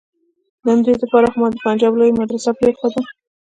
د همدې د پاره خو ما د پنجاب لويه مدرسه پرېخوده.